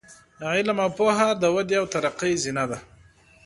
علم او پوهه د ودې او ترقۍ زینه ده.